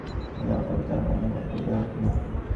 কাজকর্মের কথা তাঁহার মনেও উদয় হইত না।